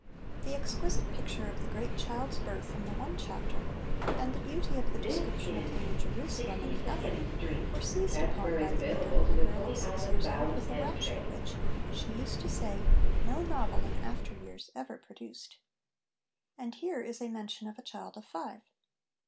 The exquisite picture of the Great Child's birth in the one chapter, and the beauty of the description of the New Jerusalem in the other, were seized upon by the eager little girl of six years old with a rapture which, she used to say, no novel in after years ever produced." And here is a mention of a child of five.